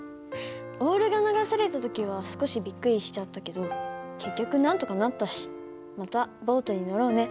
オールが流された時は少しびっくりしちゃったけど結局なんとかなったしまたボートに乗ろうね。